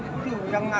tadi saya ke keramat